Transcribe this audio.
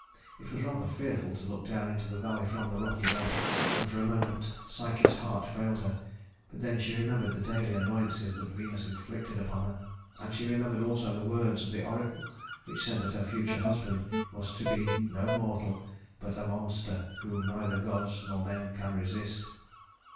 It was rather fearful to look down into the valley from the rocky ledge, and for a moment Psyche's heart failed her; but then she remembered the daily annoyances that Venus inflicted upon her, and she remembered also the words of the oracle which said that her future husband was to be "no mortal, but a monster whom neither gods nor men can resist."